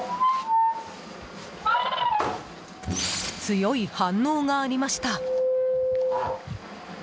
強い反応がありました。